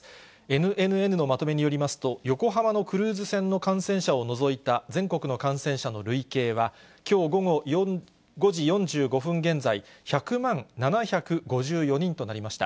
ＮＮＮのまとめによりますと、横浜のクルーズ船の感染者を除いた全国の感染者の累計はきょう午後５時４５分現在、１００万７５４人となりました。